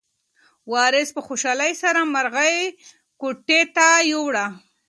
وارث په خوشحالۍ سره مرغۍ کوټې ته یووړه.